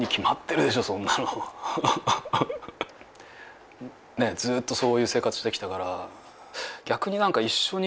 ねえずっとそういう生活してきたから。